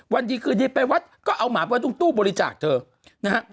วันดีคืนดีไปวัดก็เอาหมาไปตรงตู้บริจาคเธอนะฮะ